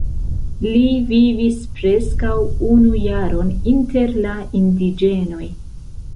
Li vivis preskaŭ unu jaron inter la indiĝenoj.